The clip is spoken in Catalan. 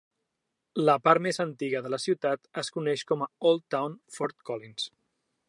La part més antiga de la ciutat és coneix com a Old Town Fort Collins.